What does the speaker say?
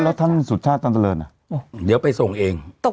แล้วท่านสุชาติตันเจริญเดี๋ยวไปส่งเอง